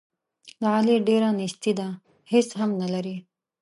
د علي ډېره نیستي ده، هېڅ هم نه لري.